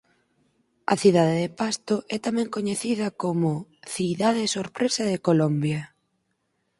A cidade de Pasto é tamén coñecida como «Cidade sorpresa de Colombia».